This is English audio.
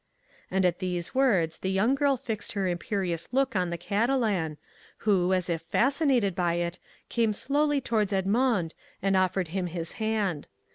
And at these words the young girl fixed her imperious look on the Catalan, who, as if fascinated by it, came slowly towards Edmond, and offered him his hand.